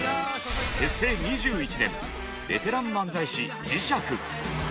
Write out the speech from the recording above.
結成２１年ベテラン漫才師磁石。